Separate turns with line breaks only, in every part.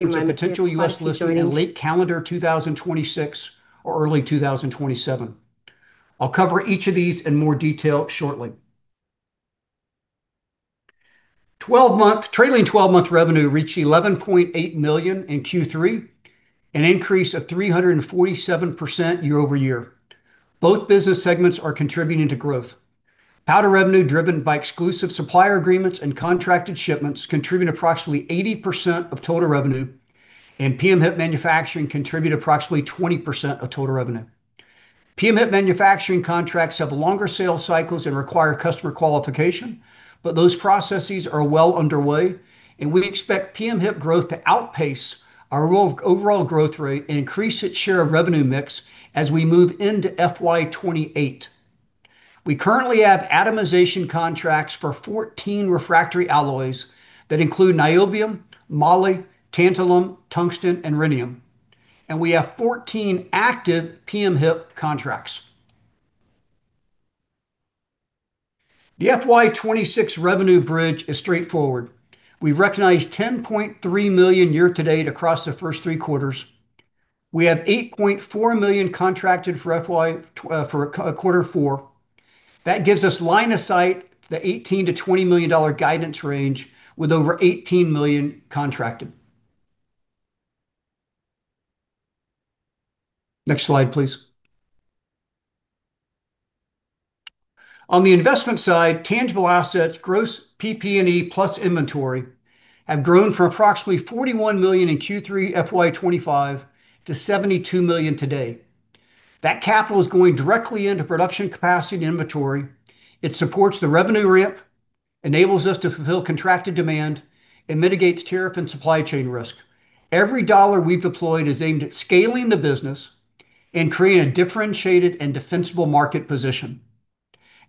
To a potential U.S. listing in late calendar 2026 or early 2027. I'll cover each of these in more detail shortly. Trailing 12-month revenue reached $11.8 million in Q3, an increase of 347% year-over-year. Both business segments are contributing to growth. Powder revenue driven by exclusive supplier agreements and contracted shipments contribute approximately 80% of total revenue, and PM-HIP manufacturing contribute approximately 20% of total revenue. PM-HIP manufacturing contracts have longer sales cycles and require customer qualification, but those processes are well underway, and we expect PM-HIP growth to outpace our overall growth rate and increase its share of revenue mix as we move into FY 2028. We currently have atomization contracts for 14 refractory alloys that include Niobium, Moly, Tantalum, Tungsten, and Rhenium. We have 14 active PM-HIP contracts. The FY 2026 revenue bridge is straightforward. We've recognized $10.3 million year to date across the first three quarters. We have $8.4 million contracted for quarter four. That gives us line of sight to the $18 million-$20 million guidance range with over $18 million contracted. Next slide, please. On the investment side, tangible assets, gross PP&E plus inventory, have grown from approximately $41 million in Q3 FY 2025 to $72 million today. That capital is going directly into production capacity and inventory. It supports the revenue ramp, enables us to fulfill contracted demand, and mitigates tariff and supply chain risk. Every dollar we've deployed is aimed at scaling the business and creating a differentiated and defensible market position.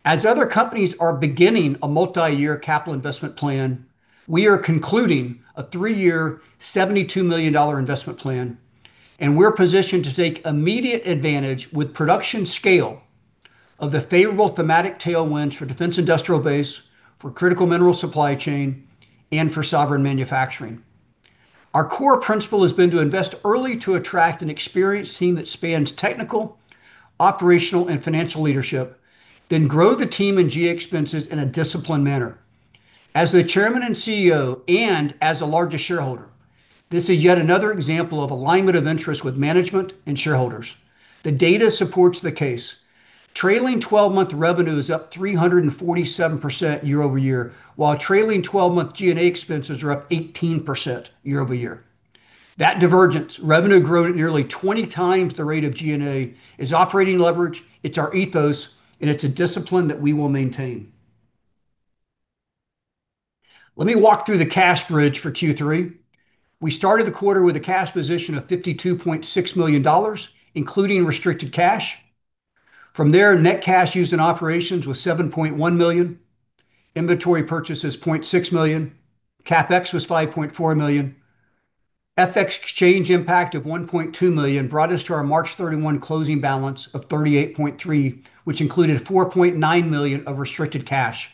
As other companies are beginning a multi-year capital investment plan, we are concluding a three-year, $72 million investment plan, and we're positioned to take immediate advantage with production scale of the favorable thematic tailwinds for Defense Industrial Base, for Critical Mineral Supply Chain, and for Sovereign Manufacturing. Our core principle has been to invest early to attract an experienced team that spans technical, operational, and financial leadership, then grow the team and G&A expenses in a disciplined manner. As the Chairman and CEO and as the largest shareholder, this is yet another example of alignment of interest with management and shareholders. The data supports the case. Trailing 12-month revenue is up 347% year-over-year, while trailing 12-month G&A expenses are up 18% year-over-year. That divergence, revenue growth at nearly 20 times the rate of G&A, is operating leverage, it's our ethos, and it's a discipline that we will maintain. Let me walk through the cash bridge for Q3. We started the quarter with a cash position of $52.6 million, including restricted cash. From there, net cash used in operations was $7.1 million, inventory purchases $0.6 million. CapEx was $5.4 million. FX change impact of $1.2 million brought us to our March 31 closing balance of $38.3 million, which included $4.9 million of restricted cash.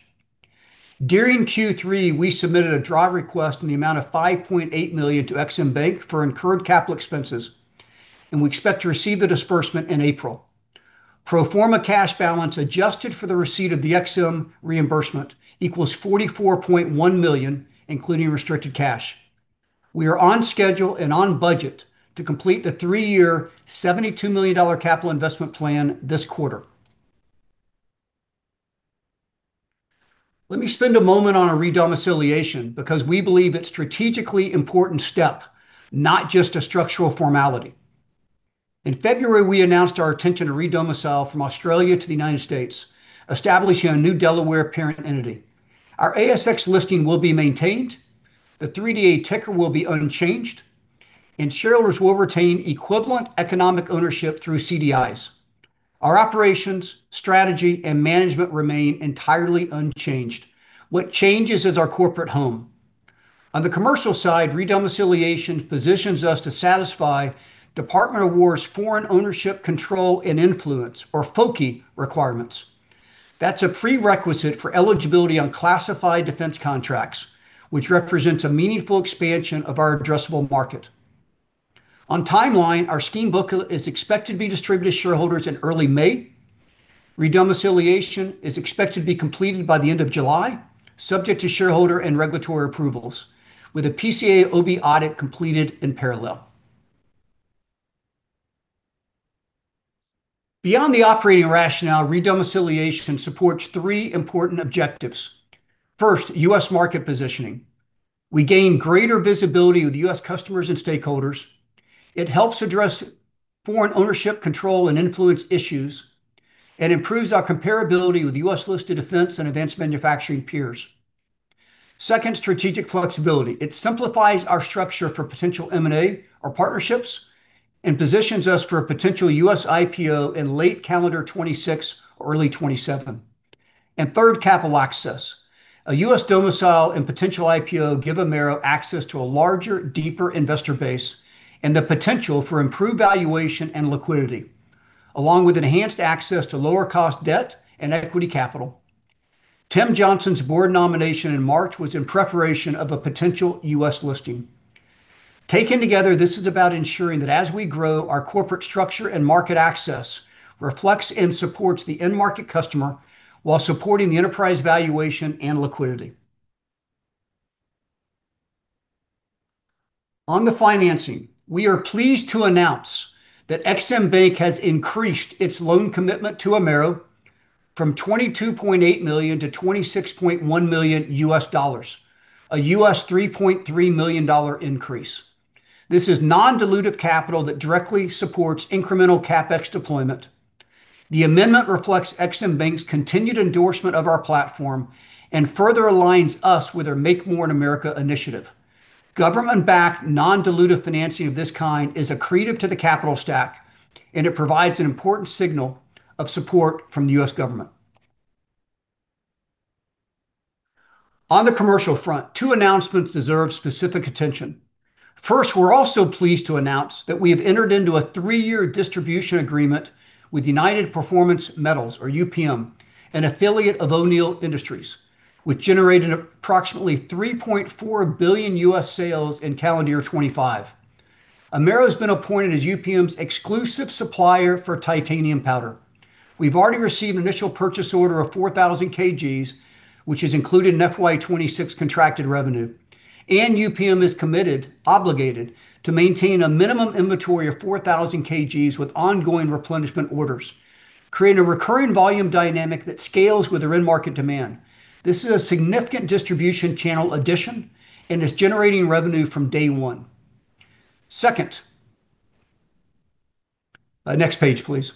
During Q3, we submitted a draw request in the amount of $5.8 million to Ex-Im Bank for incurred capital expenses, and we expect to receive the disbursement in April. Pro forma cash balance adjusted for the receipt of the Ex-Im reimbursement equals $44.1 million, including restricted cash. We are on schedule and on budget to complete the three-year, $72 million capital investment plan this quarter. Let me spend a moment on our redomiciliation because we believe it's a strategically important step, not just a structural formality. In February, we announced our intention to redomicile from Australia to the United States, establishing a new Delaware parent entity. Our ASX listing will be maintained, the 3DA ticker will be unchanged, and shareholders will retain equivalent economic ownership through CDIs. Our operations, strategy, and management remain entirely unchanged. What changes is our corporate home. On the commercial side, redomiciliation positions us to satisfy Department of War's Foreign Ownership Control and Influence, or FOCI, requirements. That's a prerequisite for eligibility on classified defense contracts, which represents a meaningful expansion of our addressable market. On timeline, our scheme book is expected to be distributed to shareholders in early May. Redomiciliation is expected to be completed by the end of July, subject to shareholder and regulatory approvals, with a PCAOB audit completed in parallel. Beyond the operating rationale, redomiciliation supports three important objectives. First, U.S. market positioning. We gain greater visibility with U.S. customers and stakeholders. It helps address foreign ownership control and influence issues and improves our comparability with U.S.-listed defense and advanced manufacturing peers. Second, strategic flexibility. It simplifies our structure for potential M&A or partnerships and positions us for a potential U.S. IPO in late calendar 2026 or early 2027. Third, capital access. A U.S. domicile and potential IPO give Amaero access to a larger, deeper investor base and the potential for improved valuation and liquidity, along with enhanced access to lower cost debt and equity capital. Tim Johnson's board nomination in March was in preparation of a potential U.S. listing. Taken together, this is about ensuring that as we grow, our corporate structure and market access reflects and supports the end market customer while supporting the enterprise valuation and liquidity. On the financing, we are pleased to announce that Ex-Im Bank has increased its loan commitment to Amaero from $22.8 million to $26.1 million US, a US $3.3 million increase. This is non-dilutive capital that directly supports incremental CapEx deployment. The amendment reflects Ex-Im Bank's continued endorsement of our platform and further aligns us with their Make More in America Initiative. Government-backed, non-dilutive financing of this kind is accretive to the capital stack and it provides an important signal of support from the U.S. government. On the commercial front, two announcements deserve specific attention. First, we're also pleased to announce that we have entered into a three-year distribution agreement with United Performance Metals, or UPM, an affiliate of O'Neal Industries, which generated approximately $3.4 billion in U.S. sales in calendar year 2025. Amaero's been appointed as UPM's exclusive supplier for Titanium Powder. We've already received an initial purchase order of 4,000 kg, which is included in FY 2026 contracted revenue. UPM is committed, obligated, to maintain a minimum inventory of 4,000 kg with ongoing replenishment orders, creating a recurring volume dynamic that scales with their end market demand. This is a significant distribution channel addition and is generating revenue from day one. Second. Next page, please.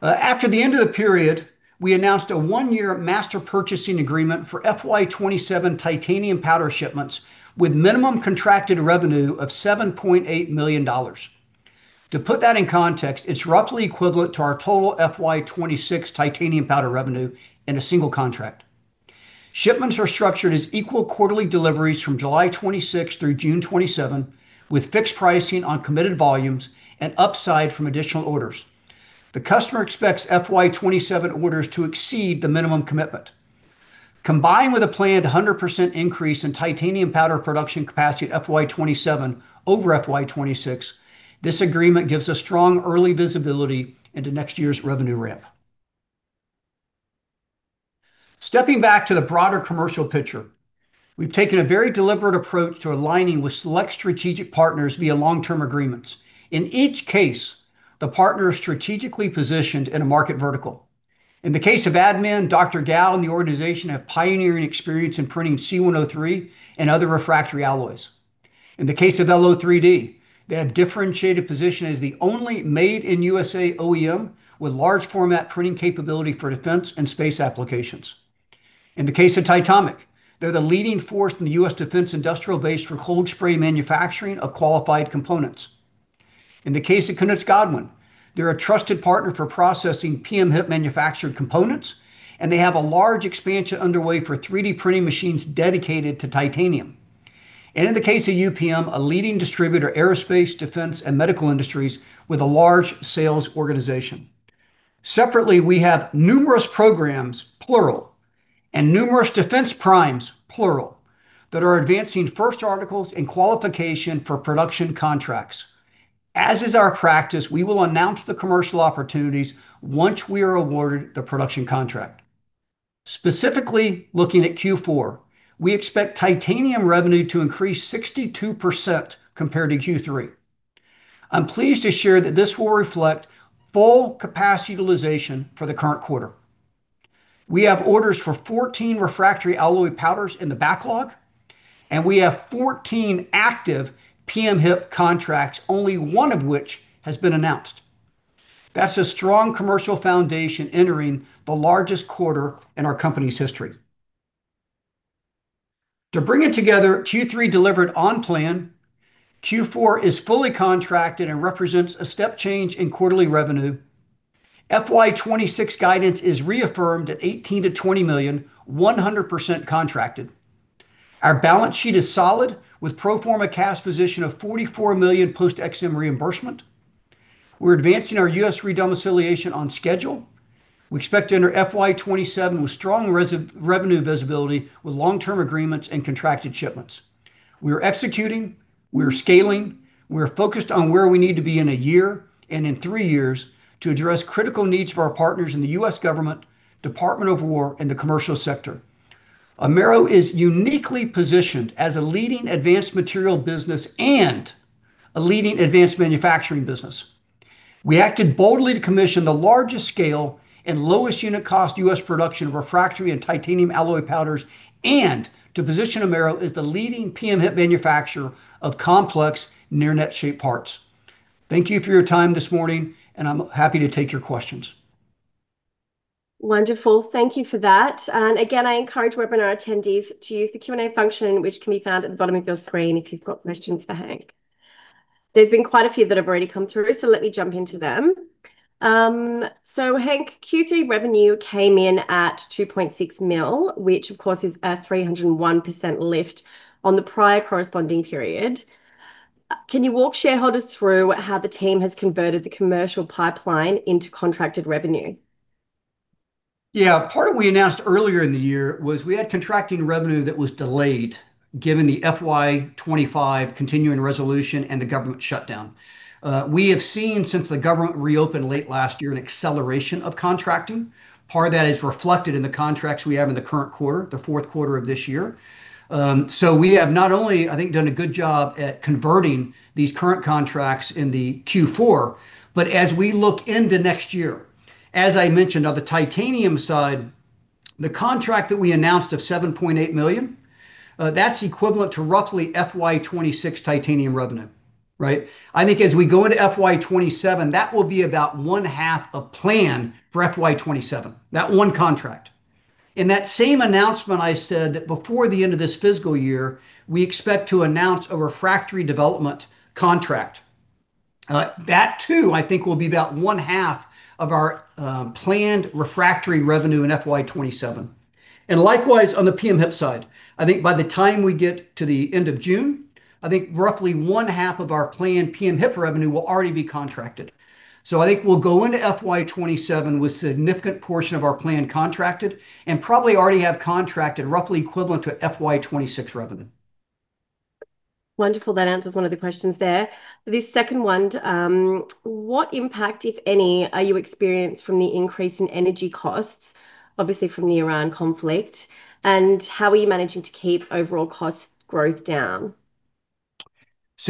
After the end of the period, we announced a one-year master purchasing agreement for FY 2027 Titanium Powder shipments with minimum contracted revenue of $7.8 million. To put that in context, it's roughly equivalent to our total FY 2026 Titanium Powder revenue in a single contract. Shipments are structured as equal quarterly deliveries from July 2026 through June 2027, with fixed pricing on committed volumes and upside from additional orders. The customer expects FY 2027 orders to exceed the minimum commitment. Combined with a planned 100% increase in Titanium Powder production capacity FY 2027 over FY 2026, this agreement gives us strong early visibility into next year's revenue ramp. Stepping back to the broader commercial picture, we've taken a very deliberate approach to aligning with select strategic partners via long-term agreements. In each case, the partner is strategically positioned in a market vertical. In the case of ADDMAN, Youping Gao and the organization have pioneering experience in printing C-103 and other refractory alloys. In the case of LO3D, they have differentiated position as the only Made-in-U.S.A. OEM with large format printing capability for defense and space applications. In the case of Titomic, they're the leading force in the U.S. Defense Industrial Base for cold spray manufacturing of qualified components. In the case of Knust-Godwin, they're a trusted partner for processing PM-HIP-manufactured components, and they have a large expansion underway for 3D printing machines dedicated to titanium. In the case of UPM, a leading distributor in aerospace, defense, and medical industries with a large sales organization. Separately, we have numerous programs, plural, and numerous defense primes, plural, that are advancing first articles and qualification for production contracts. As is our practice, we will announce the commercial opportunities once we are awarded the production contract. Specifically looking at Q4, we expect titanium revenue to increase 62% compared to Q3. I'm pleased to share that this will reflect full capacity utilization for the current quarter. We have orders for 14 refractory alloy powders in the backlog, and we have 14 active PM-HIP contracts, only one of which has been announced. That's a strong commercial foundation entering the largest quarter in our company's history. To bring it together, Q3 delivered on plan. Q4 is fully contracted and represents a step change in quarterly revenue. FY 2026 guidance is reaffirmed at $18-$20 million, 100% contracted. Our balance sheet is solid with pro forma cash position of $44 million post Ex-Im reimbursement. We're advancing our U.S. re-domiciliation on schedule. We expect to enter FY 2027 with strong revenue visibility with long-term agreements and contracted shipments. We are executing, we are scaling, we are focused on where we need to be in a year and in 3 years to address critical needs for our partners in the U.S. government, Department of War, and the commercial sector. Amaero is uniquely positioned as a leading advanced material business and a leading advanced manufacturing business. We acted boldly to commission the largest scale and lowest unit cost U.S. production of refractory and titanium alloy powders, and to position Amaero as the leading PM-HIP manufacturer of complex near-net-shape parts. Thank you for your time this morning, and I'm happy to take your questions.
Wonderful. Thank you for that. Again, I encourage webinar attendees to use the Q&A function, which can be found at the bottom of your screen if you've got questions for Hank. There's been quite a few that have already come through, so let me jump into them. Hank, Q3 revenue came in at $2.6 million, which of course is a 301% lift on the prior corresponding period. Can you walk shareholders through how the team has converted the commercial pipeline into contracted revenue?
Yeah. Part of what we announced earlier in the year was we had contracting revenue that was delayed given the FY 2025 continuing resolution and the government shutdown. We have seen, since the government reopened late last year, an acceleration of contracting. Part of that is reflected in the contracts we have in the current quarter, the fourth quarter of this year. We have not only, I think, done a good job at converting these current contracts into Q4, but as we look into next year, as I mentioned on the titanium side, the contract that we announced of $7.8 million, that's equivalent to roughly FY 2026 titanium revenue. Right? I think as we go into FY 2027, that will be about one half of plan for FY 2027, that one contract. In that same announcement, I said that before the end of this fiscal year, we expect to announce a refractory development contract. That too, I think, will be about one half of our planned refractory revenue in FY 2027. Likewise, on the PM-HIP side. I think by the time we get to the end of June, I think roughly one half of our planned PM-HIP revenue will already be contracted. I think we'll go into FY 2027 with a significant portion of our plan contracted, and probably already have contracted roughly equivalent to FY 2026 revenue.
Wonderful. That answers one of the questions there. This second one, what impact, if any, are you experiencing from the increase in energy costs, obviously from the Iran conflict, and how are you managing to keep overall cost growth down?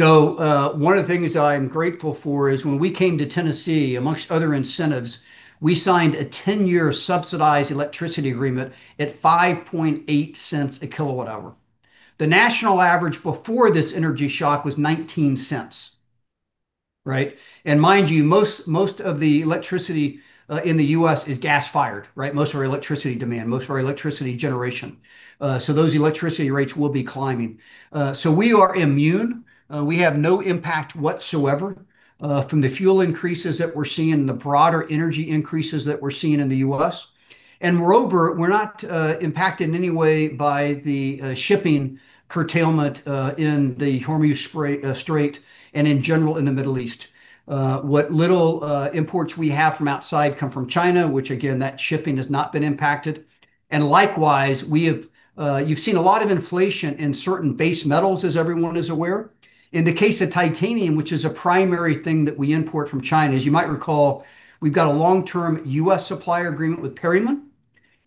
One of the things I am grateful for is when we came to Tennessee, among other incentives, we signed a 10-year subsidized electricity agreement at $0.058 a kWh. The national average before this energy shock was $0.19. Right? Mind you, most of the electricity in the U.S. is gas-fired. Right? Most of our electricity demand, most of our electricity generation. Those electricity rates will be climbing. We are immune. We have no impact whatsoever from the fuel increases that we're seeing and the broader energy increases that we're seeing in the U.S. Moreover, we're not impacted in any way by the shipping curtailment in the Strait of Hormuz and in general in the Middle East. What little imports we have from outside come from China, which again, that shipping has not been impacted. Likewise, you've seen a lot of inflation in certain base metals, as everyone is aware. In the case of titanium, which is a primary thing that we import from China, as you might recall, we've got a long-term U.S. supplier agreement with Perryman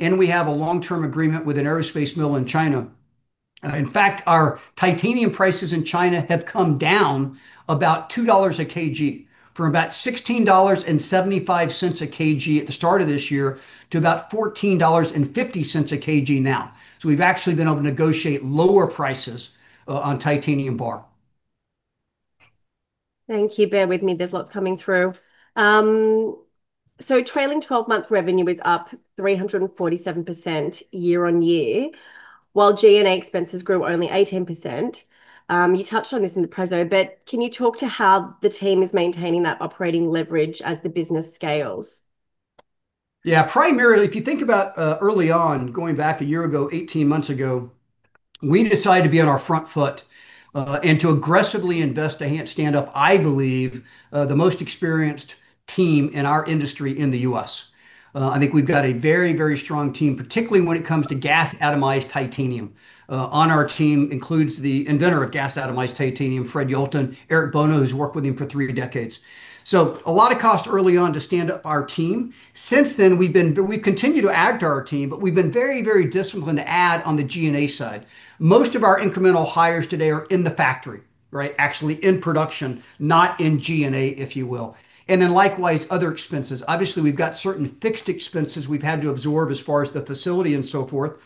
and we have a long-term agreement with an aerospace mill in China. In fact, our titanium prices in China have come down about $2 a kg, from about $16.75 a kg at the start of this year to about $14.50 a kg now. We've actually been able to negotiate lower prices on titanium bar.
Thank you. Bear with me, there's lots coming through. Trailing 12-month revenue is up 347% year-on-year, while G&A expenses grew only 18%. You touched on this in the preso, but can you talk to how the team is maintaining that operating leverage as the business scales?
Yeah. Primarily, if you think about early on, going back a year ago, 18 months ago, we decided to be on our front foot and to aggressively invest to stand up, I believe, the most experienced team in our industry in the U.S. I think we've got a very strong team, particularly when it comes to gas-atomized titanium. On our team includes the inventor of gas-atomized titanium, Fred Yelton, Eric Bono, who's worked with him for three decades. So a lot of cost early on to stand up our team. Since then, we've continued to add to our team, but we've been very disciplined to add on the G&A side. Most of our incremental hires today are in the factory. Right? Actually in production, not in G&A, if you will. Likewise, other expenses. Obviously, we've got certain fixed expenses we've had to absorb as far as the facility and so forth.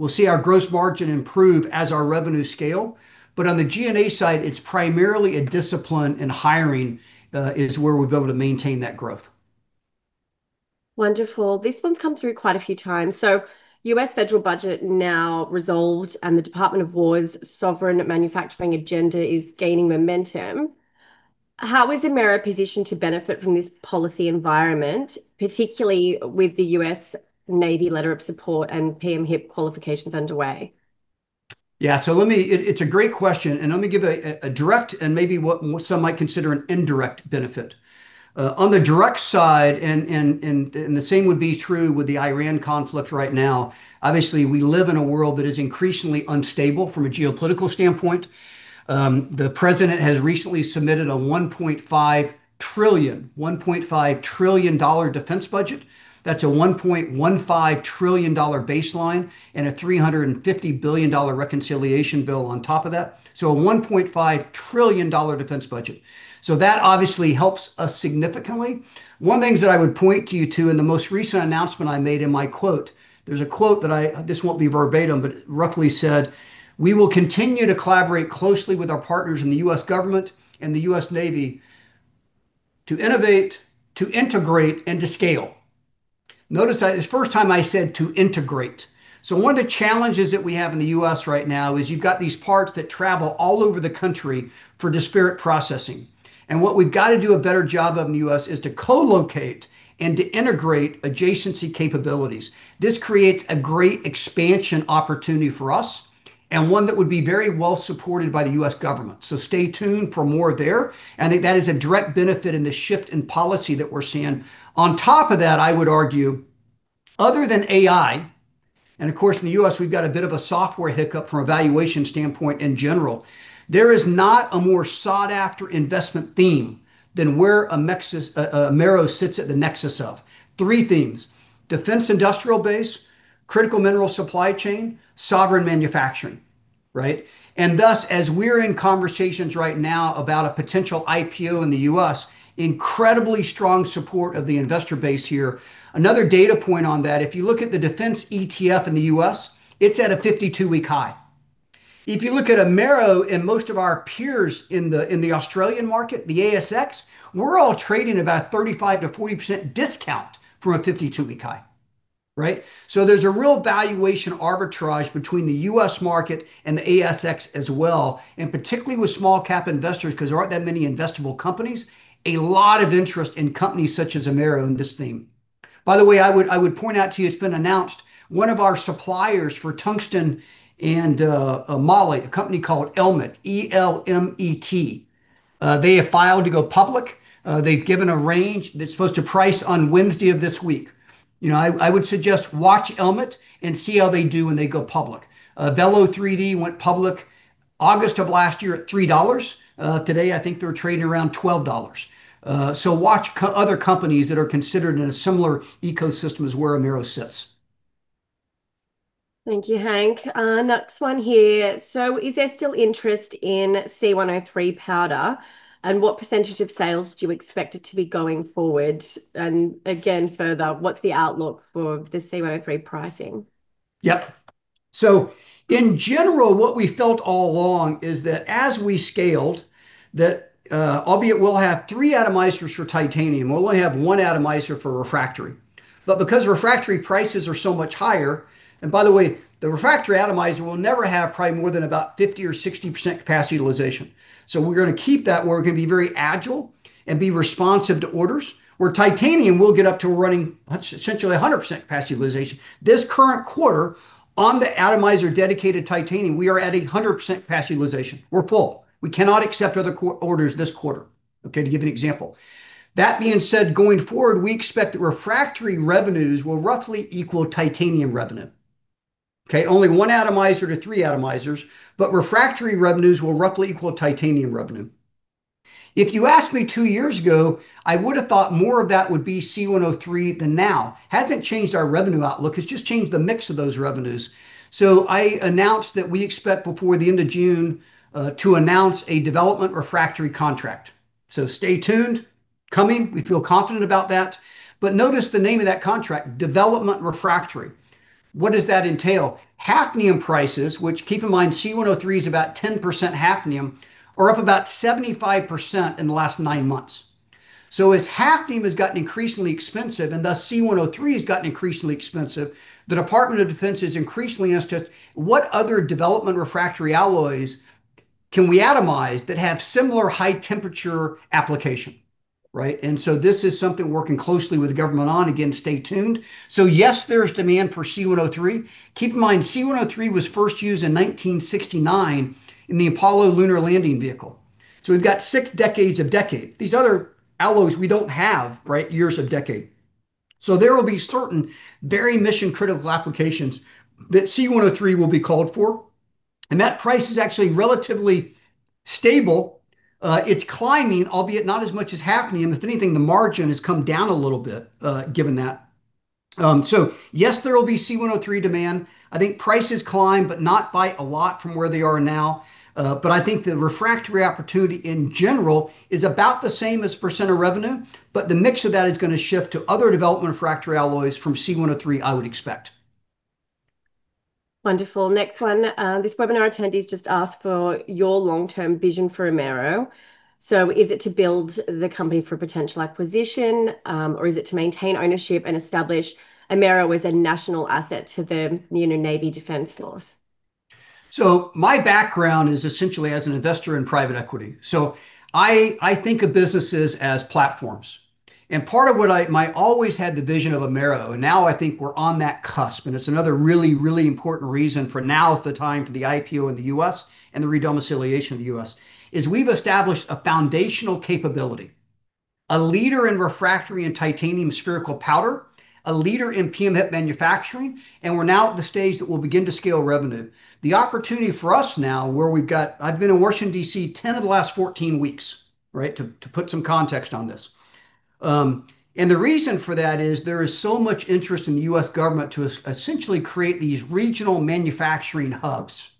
We'll see our gross margin improve as our revenue scale, but on the G&A side, it's primarily a discipline in hiring, is where we've been able to maintain that growth.
Wonderful. This one's come through quite a few times. U.S. federal budget now resolved and the Department of War's Sovereign Manufacturing agenda is gaining momentum. How is Amaero positioned to benefit from this policy environment, particularly with the U.S. Navy letter of support and PM-HIP qualifications underway?
Yeah. It's a great question, and let me give a direct and maybe what some might consider an indirect benefit. On the direct side, and the same would be true with the Iran conflict right now. Obviously, we live in a world that is increasingly unstable from a geopolitical standpoint. The president has recently submitted a $1.5 trillion defense budget. That's a $1.15 trillion baseline and a $350 billion reconciliation bill on top of that. A $1.5 trillion defense budget. That obviously helps us significantly. One of the things that I would point you to in the most recent announcement I made in my quote, there's a quote. This won't be verbatim, but it roughly said, "We will continue to collaborate closely with our partners in the U.S. government and the U.S. Navy to innovate, to integrate, and to scale." Notice that is the first time I said to integrate. One of the challenges that we have in the U.S. right now is you've got these parts that travel all over the country for disparate processing. What we've got to do a better job of in the U.S. is to co-locate and to integrate adjacency capabilities. This creates a great expansion opportunity for us, and one that would be very well-supported by the U.S. government. Stay tuned for more there. I think that is a direct benefit in the shift in policy that we're seeing. On top of that, I would argue, other than AI, and of course, in the U.S., we've got a bit of a software hiccup from a valuation standpoint in general. There is not a more sought-after investment theme than where Amaero sits at the nexus of three things, Defense Industrial Base, Critical Mineral Supply Chain, Sovereign Manufacturing. Right? Thus, as we're in conversations right now about a potential IPO in the U.S., incredibly strong support of the investor base here. Another data point on that, if you look at the defense ETF in the U.S., it's at a 52-week high. If you look at Amaero and most of our peers in the Australian market, the ASX, we're all trading about 35%-40% discount from a 52-week high. Right? There's a real valuation arbitrage between the U.S. market and the ASX as well, and particularly with small-cap investors because there aren't that many investable companies. A lot of interest in companies such as Amaero in this theme. By the way, I would point out to you, it's been announced, one of our suppliers for tungsten and moly, a company called Elmet, E-L-M-E-T, they have filed to go public. They've given a range that's supposed to price on Wednesday of this week. I would suggest watch Elmet and see how they do when they go public. Velo3D went public August of last year at $3. Today, I think they're trading around $12. Watch other companies that are considered in a similar ecosystem as where Amaero sits.
Thank you, Hank. Next one here. Is there still interest in C-103 powder? What percentage of sales do you expect it to be going forward? Again, further, what's the outlook for the C-103 pricing?
Yep. In general, what we felt all along is that as we scaled, that albeit we'll have three atomizers for titanium, we'll only have one atomizer for refractory. Because refractory prices are so much higher, and by the way, the refractory atomizer will never have probably more than about 50% or 60% capacity utilization. We're going to keep that where we're going to be very agile and be responsive to orders. Where titanium will get up to running essentially 100% capacity utilization. This current quarter on the atomizer dedicated titanium, we are at 100% capacity utilization. We're full. We cannot accept other orders this quarter. Okay. To give you an example. That being said, going forward, we expect that refractory revenues will roughly equal titanium revenue. Okay. Only one atomizer to three atomizers, but refractory revenues will roughly equal titanium revenue. If you asked me two years ago, I would have thought more of that would be C-103 than now. Hasn't changed our revenue outlook. It's just changed the mix of those revenues. I announced that we expect before the end of June to announce a development refractory contract. Stay tuned. Coming. We feel confident about that. Notice the name of that contract, development refractory. What does that entail? Hafnium prices, which, keep in mind, C-103 is about 10% Hafnium, are up about 75% in the last nine months. As Hafnium has gotten increasingly expensive, and thus C-103 has gotten increasingly expensive, the Department of Defense is increasingly interested, what other development refractory alloys can we atomize that have similar high-temperature application? Right? This is something we're working closely with the government on. Again, stay tuned. Yes, there's demand for C-103. Keep in mind, C-103 was first used in 1969 in the Apollo lunar landing vehicle. We've got six decades of data. These other alloys, we don't have, right, years of data. There will be certain very mission-critical applications that C-103 will be called for, and that price is actually relatively stable. It's climbing, albeit not as much as Hafnium. If anything, the margin has come down a little bit, given that. Yes, there will be C-103 demand. I think prices climb, but not by a lot from where they are now. I think the refractory opportunity in general is about the same percent of revenue, but the mix of that is going to shift to other developmental refractory alloys from C-103, I would expect.
Wonderful. Next one. This webinar attendee's just asked for your long-term vision for Amaero. Is it to build the company for potential acquisition, or is it to maintain ownership and establish Amaero as a national asset to the Navy Defense Force?
My background is essentially as an investor in private equity. I think of businesses as platforms. Part of what I always had the vision of Amaero, and now I think we're on that cusp, and it's another really, really important reason for now is the time for the IPO in the U.S. and the re-domiciliation of the U.S., is we've established a foundational capability, a leader in refractory and titanium spherical powder, a leader in PM-HIP manufacturing, and we're now at the stage that we'll begin to scale revenue. The opportunity for us now where we've got I've been in Washington, D.C., 10 of the last 14 weeks, right, to put some context on this. The reason for that is there is so much interest in the U.S. government to essentially create these regional manufacturing hubs.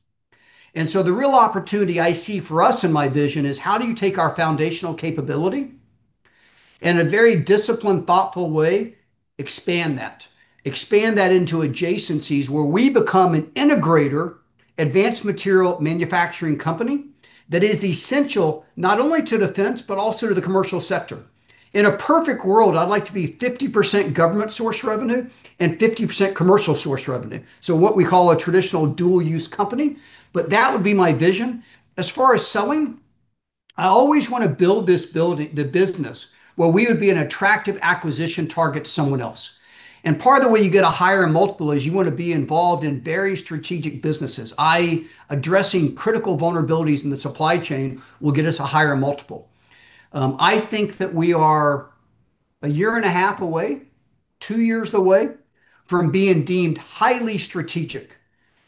The real opportunity I see for us in my vision is how do you take our foundational capability in a very disciplined, thoughtful way, expand that into adjacencies where we become an integrator advanced material manufacturing company that is essential not only to defense but also to the commercial sector. In a perfect world, I'd like to be 50% government source revenue and 50% commercial source revenue. What we call a traditional dual-use company. That would be my vision. As far as selling, I always want to build the business where we would be an attractive acquisition target to someone else. Part of the way you get a higher multiple is you want to be involved in very strategic businesses, i.e., addressing critical vulnerabilities in the supply chain will get us a higher multiple. I think that we are a year and a half away, two years away, from being deemed highly strategic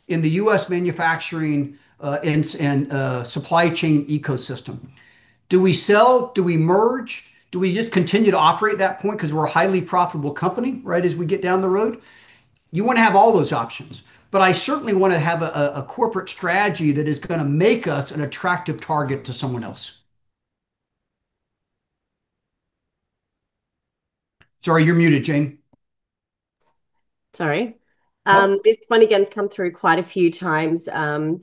in the U.S. manufacturing and supply chain ecosystem. Do we sell? Do we merge? Do we just continue to operate at that point because we're a highly profitable company as we get down the road? You want to have all those options. But I certainly want to have a corporate strategy that is going to make us an attractive target to someone else. Sorry, you're muted, Jane.
Sorry. This one again's come through quite a few times.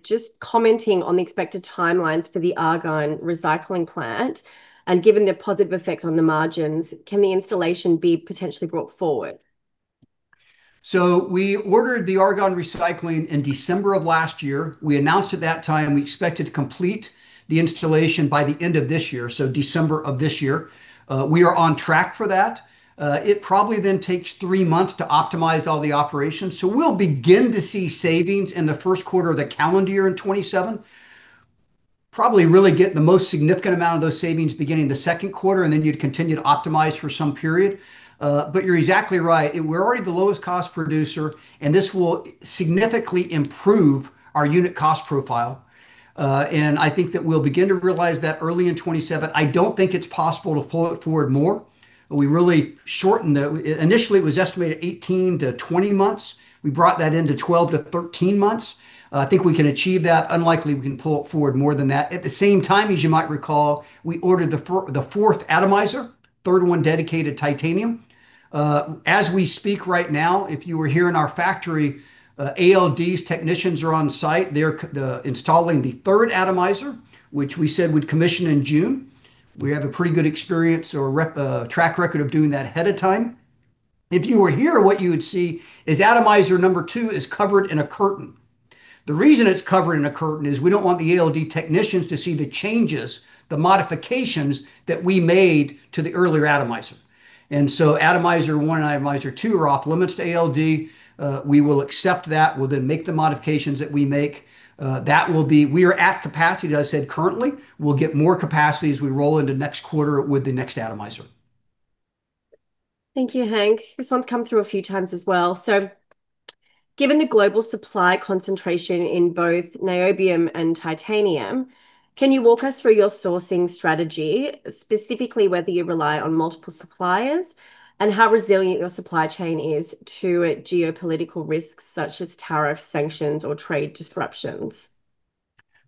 Just commenting on the expected timelines for the argon recycling plant, and given the positive effects on the margins, can the installation be potentially brought forward?
We ordered the argon recycling in December of last year. We announced at that time we expected to complete the installation by the end of this year. December of this year. We are on track for that. It probably then takes three months to optimize all the operations. We'll begin to see savings in the first quarter of the calendar year in 2027. We'll probably really get the most significant amount of those savings beginning the second quarter, and then you'd continue to optimize for some period. You're exactly right. We're already the lowest cost producer, and this will significantly improve our unit cost profile. I think that we'll begin to realize that early in 2027. I don't think it's possible to pull it forward more. We really shortened it. Initially, it was estimated 18-20 months. We brought that into 12-13 months. I think we can achieve that. It's unlikely we can pull it forward more than that. At the same time, as you might recall, we ordered the fourth atomizer, third one dedicated titanium. As we speak right now, if you were here in our factory, ALD's technicians are on site. They're installing the third atomizer, which we said would commission in June. We have a pretty good experience or track record of doing that ahead of time. If you were here, what you would see is atomizer number two is covered in a curtain. The reason it's covered in a curtain is we don't want the ALD technicians to see the changes, the modifications that we made to the earlier atomizer. Atomizer one and atomizer two are off limits to ALD. We will accept that. We'll then make the modifications that we make. We are at capacity, as I said, currently. We'll get more capacity as we roll into next quarter with the next atomizer.
Thank you, Hank. This one's come through a few times as well. Given the global supply concentration in both Niobium and Titanium, can you walk us through your sourcing strategy, specifically whether you rely on multiple suppliers, and how resilient your supply chain is to geopolitical risks such as tariff sanctions or trade disruptions?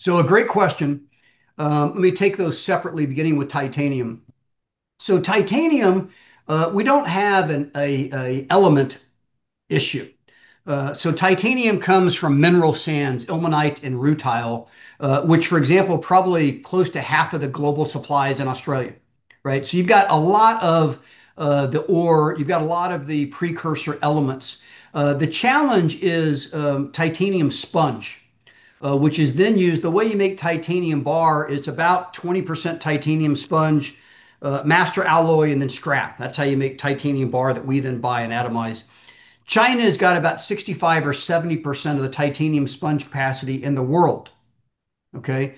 A great question. Let me take those separately, beginning with titanium. Titanium, we don't have an element issue. Titanium comes from mineral sands, ilmenite and rutile, which for example, probably close to half of the global supply is in Australia. Right? You've got a lot of the ore. You've got a lot of the precursor elements. The challenge is titanium sponge, which is then used. The way you make titanium bar is about 20% titanium sponge, master alloy and then scrap. That's how you make titanium bar that we then buy and atomize. China has got about 65%-70% of the titanium sponge capacity in the world. Okay?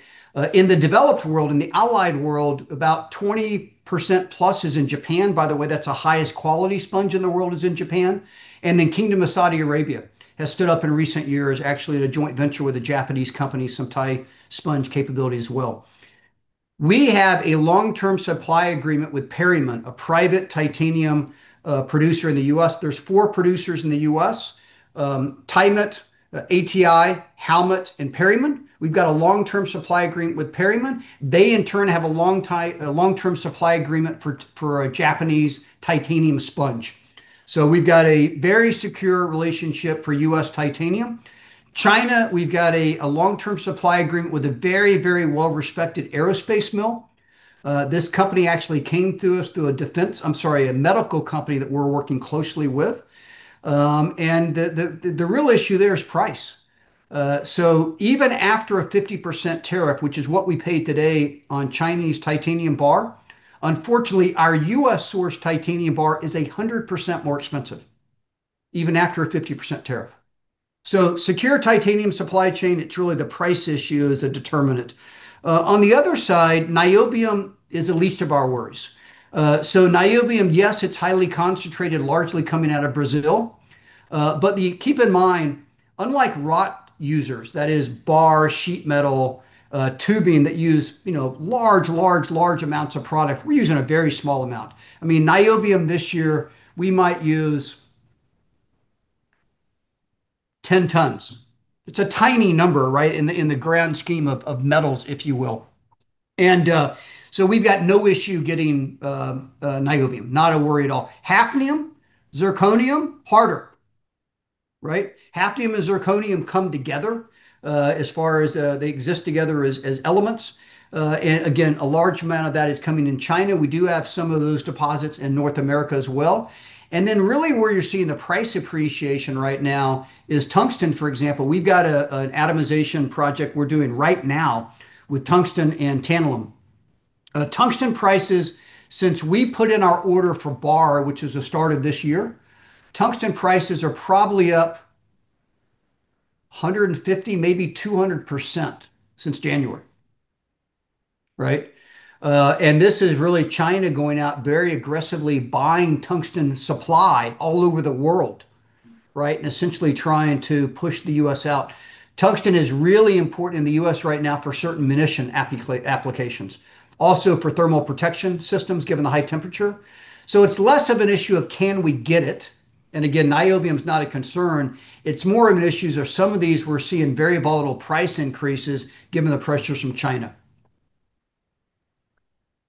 In the developed world, in the allied world, about 20% plus is in Japan. By the way, that's the highest quality sponge in the world is in Japan. Kingdom of Saudi Arabia has stood up in recent years, actually at a joint venture with a Japanese company, some Ti sponge capability as well. We have a long-term supply agreement with Perryman, a private titanium producer in the U.S. There are four producers in the U.S., TIMET, ATI, Howmet, and Perryman. We have a long-term supply agreement with Perryman. They in turn have a long-term supply agreement for a Japanese titanium sponge. We have a very secure relationship for U.S. titanium. China, we have a long-term supply agreement with a very well-respected aerospace mill. This company actually came to us through a medical company that we are working closely with. The real issue there is price. Even after a 50% tariff, which is what we paid today on Chinese titanium bar, unfortunately our U.S.-sourced titanium bar is 100% more expensive, even after a 50% tariff. Secure titanium supply chain, it's really the price issue is a determinant. On the other side, Niobium is the least of our worries. Niobium, yes, it's highly concentrated, largely coming out of Brazil. Keep in mind, unlike wrought users, that is bar, sheet metal, tubing that use large amounts of product, we're using a very small amount. I mean, Niobium this year, we might use 10 tons. It's a tiny number, right, in the grand scheme of metals, if you will. We've got no issue getting Niobium. Not a worry at all. Hafnium, Zirconium, harder. Right? Hafnium and Zirconium come together, as far as they exist together as elements. Again, a large amount of that is coming in China. We do have some of those deposits in North America as well. Really where you're seeing the price appreciation right now is tungsten, for example. We've got an atomization project we're doing right now with tungsten and tantalum. Tungsten prices since we put in our order for bar, which is the start of this year, are probably up 150%, maybe 200% since January. Right? This is really China going out very aggressively, buying tungsten supply all over the world, right? Essentially trying to push the U.S. out. Tungsten is really important in the U.S. right now for certain munition applications. Also for thermal protection systems, given the high temperature. It's less of an issue of can we get it, and again, Niobium is not a concern, it's more of an issue of some of these we're seeing very volatile price increases given the pressures from China.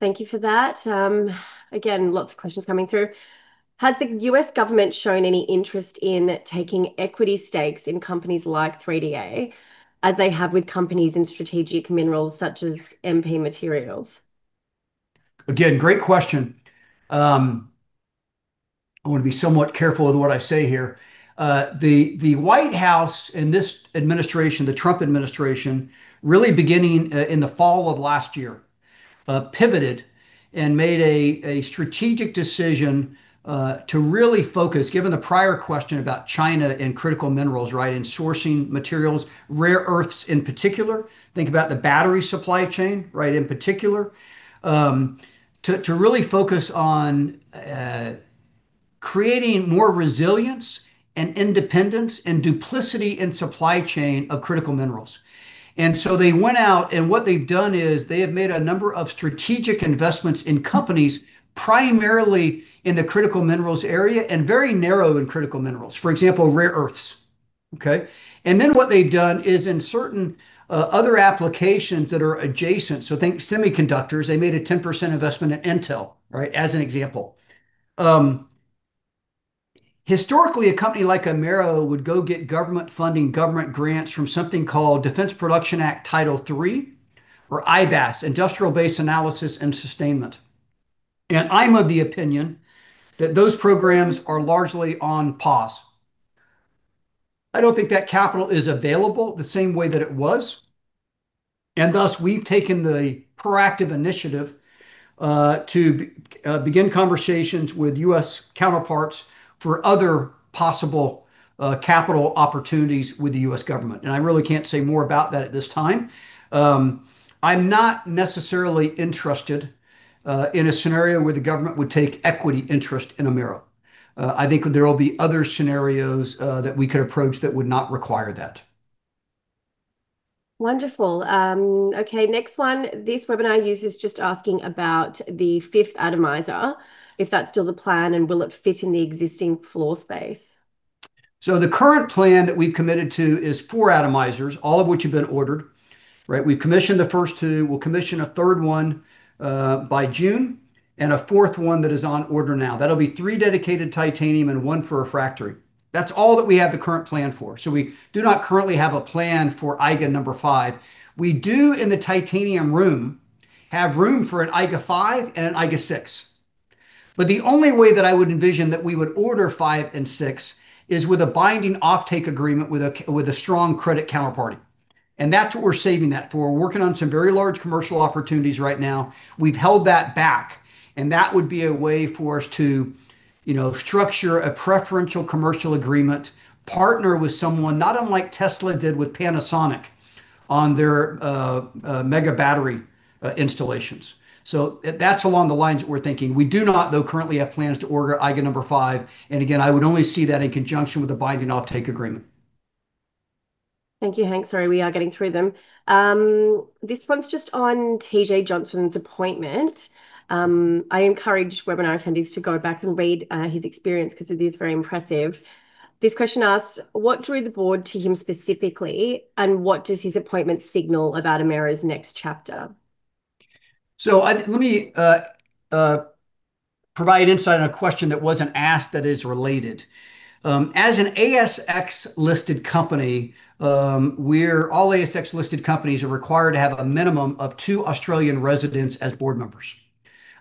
Thank you for that. Again, lots of questions coming through. Has the U.S. government shown any interest in taking equity stakes in companies like 3DA as they have with companies in strategic minerals such as MP Materials?
Again, great question. I want to be somewhat careful with what I say here. The White House and this administration, the Trump Administration, really beginning in the fall of last year, pivoted and made a strategic decision to really focus, given the prior question about China and Critical Minerals, right, and sourcing materials, Rare Earths in particular, think about the Battery Supply Chain, right, in particular, to really focus on creating more resilience and independence and diversity in supply chain of Critical Minerals. They went out, and what they've done is they have made a number of strategic investments in companies, primarily in the Critical Minerals area and very narrow in Critical Minerals. For example, Rare Earths. Okay? What they've done is in certain other applications that are adjacent, so think semiconductors, they made a 10% investment in Intel, right, as an example. Historically, a company like Amaero would go get government funding, government grants from something called Defense Production Act Title III, or IBAS, Industrial Base Analysis and Sustainment. I'm of the opinion that those programs are largely on pause. I don't think that capital is available the same way that it was, and thus, we've taken the proactive initiative, to begin conversations with U.S. counterparts for other possible capital opportunities with the U.S. government. I really can't say more about that at this time. I'm not necessarily interested in a scenario where the government would take equity interest in Amaero. I think there will be other scenarios that we could approach that would not require that.
Wonderful. Okay, next one. This webinar user is just asking about the fifth atomizer, if that's still the plan, and will it fit in the existing floor space?
The current plan that we've committed to is four atomizers, all of which have been ordered. Right? We've commissioned the first two. We'll commission a third one by June and a fourth one that is on order now. That'll be three dedicated titanium and one for refractory. That's all that we have the current plan for. We do not currently have a plan for EIGA No. 5. We do, in the titanium room, have room for an EIGA 5 and an EIGA 6. The only way that I would envision that we would order five and six is with a binding offtake agreement with a strong credit counterparty. That's what we're saving that for. We're working on some very large commercial opportunities right now. We've held that back and that would be a way for us to structure a preferential commercial agreement, partner with someone, not unlike Tesla did with Panasonic on their mega battery installations. That's along the lines that we're thinking. We do not, though, currently have plans to order EIGA No. 5, and again, I would only see that in conjunction with a binding offtake agreement.
Thank you, Hank. Sorry, we are getting through them. This one's just on Tim Johnson's appointment. I encourage webinar attendees to go back and read his experience because it is very impressive. This question asks: What drew the board to him specifically, and what does his appointment signal about Amaero's next chapter?
Let me provide insight on a question that wasn't asked that is related. As an ASX-listed company, all ASX-listed companies are required to have a minimum of two Australian residents as board members.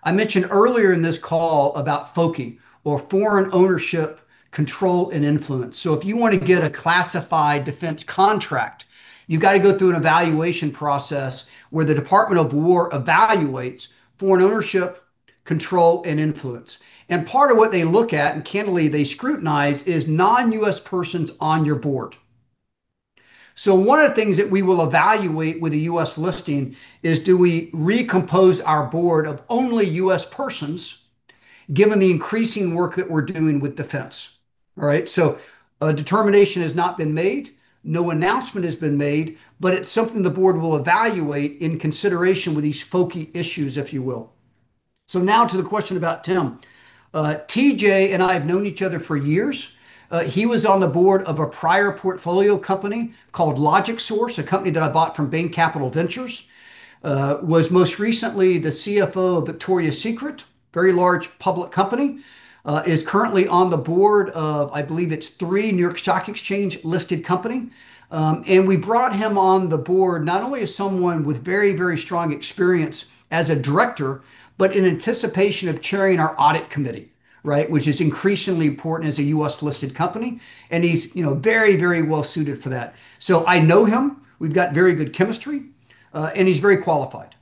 I mentioned earlier in this call about FOCI, or Foreign Ownership Control and Influence. If you want to get a classified defense contract, you've got to go through an evaluation process where the Department of War evaluates foreign ownership control and influence. Part of what they look at, and candidly, they scrutinize, is non-U.S. persons on your board. One of the things that we will evaluate with a U.S. listing is do we recompose our board of only U.S. persons, given the increasing work that we're doing with defense? All right? A determination has not been made, no announcement has been made, but it's something the board will evaluate in consideration with these FOCI issues, if you will. Now to the question about Tim. TJ and I have known each other for years. He was on the board of a prior portfolio company called LogicSource, a company that I bought from Bain Capital Ventures. He was most recently the CFO of Victoria's Secret, very large public company. He is currently on the board of, I believe it's three New York Stock Exchange-listed companies. We brought him on the board not only as someone with very, very strong experience as a director, but in anticipation of chairing our audit committee, right, which is increasingly important as a U.S.-listed company, and he's very, very well-suited for that. I know him, we've got very good chemistry, and he's very qualified.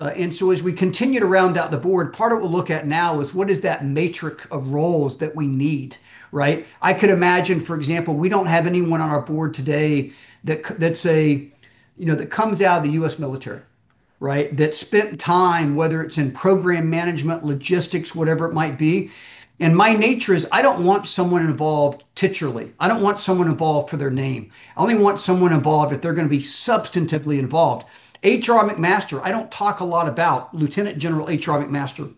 As we continue to round out the board, part of what we'll look at now is what is that matrix of roles that we need, right? I could imagine, for example, we don't have anyone on our board today that comes out of the U.S. military, right? That spent time, whether it's in program management, logistics, whatever it might be. My nature is I don't want someone involved titularly. I don't want someone involved for their name. I only want someone involved if they're going to be substantively involved. H.R. McMaster, I don't talk a lot about Lieutenant General H.R. McMaster.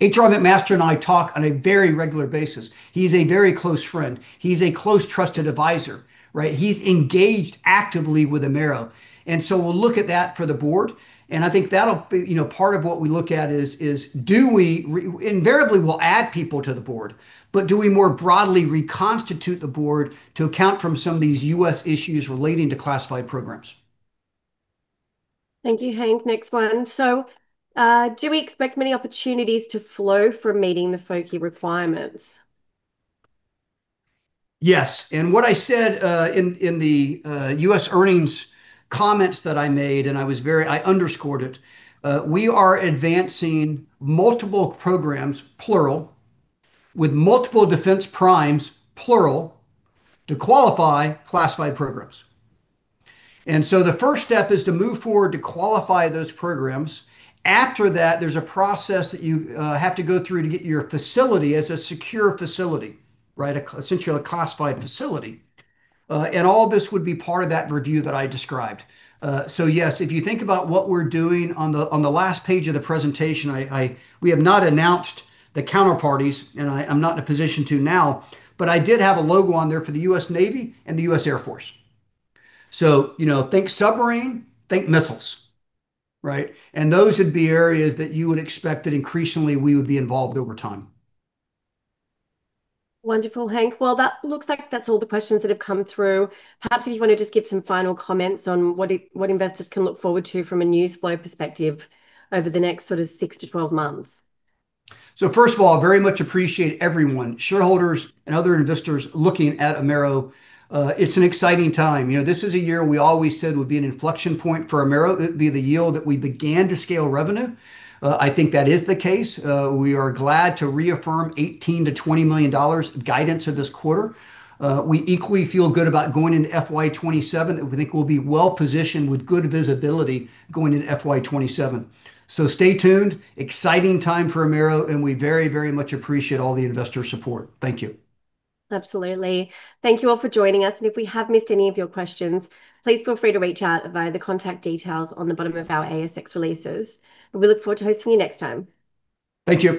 H.R. McMaster and I talk on a very regular basis. He's a very close friend. He's a close trusted advisor, right? He's engaged actively with Amaero, and so we'll look at that for the board, and I think that'll be... Part of what we look at is, invariably we'll add people to the board. Do we more broadly reconstitute the board to account for some of these U.S. issues relating to classified programs?
Thank you, Hank. Next one. Do we expect many opportunities to flow from meeting the FOCI requirements?
Yes. What I said in the U.S. earnings comments that I made, and I underscored it, we are advancing multiple programs, plural, with multiple defense primes, plural, to qualify classified programs. The first step is to move forward to qualify those programs. After that, there's a process that you have to go through to get your facility as a secure facility, right, essentially a classified facility. All this would be part of that review that I described. Yes, if you think about what we're doing on the last page of the presentation, we have not announced the counterparties, and I'm not in a position to now, but I did have a logo on there for the U.S. Navy and the U.S. Air Force. Think submarine, think missiles. Right? Those would be areas that you would expect that increasingly we would be involved over time.
Wonderful, Hank. Well, that looks like that's all the questions that have come through. Perhaps if you want to just give some final comments on what investors can look forward to from a news flow perspective over the next sort of 6 to 12 months.
First of all, I very much appreciate everyone, shareholders and other investors, looking at Amaero. It's an exciting time. This is a year we always said would be an inflection point for Amaero. It would be the year that we began to scale revenue. I think that is the case. We are glad to reaffirm $18 million-$20 million of guidance for this quarter. We equally feel good about going into FY 2027. We think we'll be well-positioned with good visibility going into FY 2027. Stay tuned. Exciting time for Amaero, and we very, very much appreciate all the investor support. Thank you.
Absolutely. Thank you all for joining us, and if we have missed any of your questions, please feel free to reach out via the contact details on the bottom of our ASX releases. We look forward to hosting you next time.
Thank you.